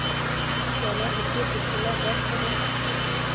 پیاله د کور د ښکلا برخه ده.